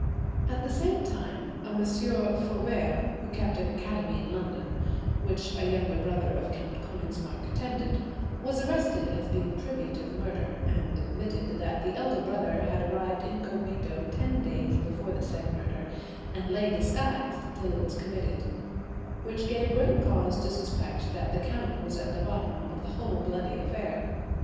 At the same time a Monsieur Foubert, who kept an Academy in London which a younger brother of Count Konigsmark attended, was arrested as being privy to the murder, and admitted that the elder brother had arrived incognito ten days before the said murder, and lay disguised till it was committed, which gave great cause to suspect that the count was at the bottom of the whole bloody affair.